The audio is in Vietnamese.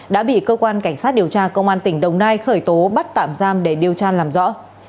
đã bị cơ quan cảnh sát điều tra công an tỉnh đồng nai khởi tố bắt tạm giam để điều tra làm rõ